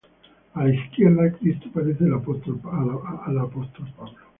A la izquierda, Cristo aparece al apóstol Pablo.